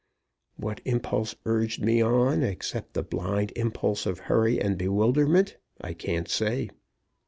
What impulse urged me on, except the blind impulse of hurry and bewilderment, I can't say.